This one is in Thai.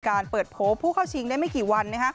การเปิดโผล่ผู้เข้าชิงได้ไม่กี่วัน